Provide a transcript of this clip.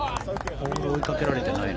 ボール追いかけられてないな。